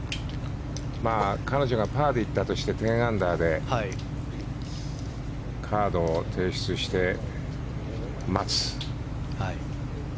彼女がパーで行ったとして１０アンダーでカードを提出して待つ。